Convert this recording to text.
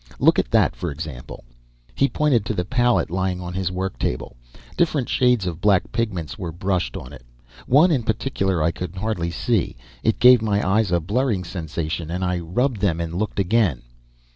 Look at that, for example." He pointed to the palette lying on his work table. Different shades of black pigments were brushed on it. One, in particular, I could hardly see. It gave my eyes a blurring sensation, and I rubbed them and looked again.